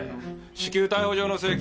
至急逮捕状の請求。